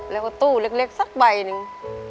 แล้วก็ตู้เล็กสักใบหนึ่ง